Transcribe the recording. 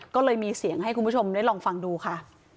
ก็เลยมีเสียงให้คุณผู้ชมได้ลองฟังดูค่ะ